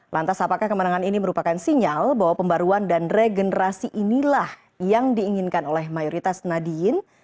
lantas apakah kemenangan ini merupakan sinyal bahwa pembaruan dan regenerasi inilah yang diinginkan oleh mayoritas nadiyin